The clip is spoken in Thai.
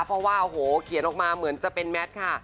เพราะว่าโอ้โหเขียนออกมาเหมือนจะเป็นแมทค่ะ